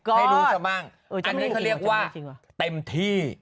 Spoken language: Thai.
อันนี้เขาเรียกว่าเต็มที่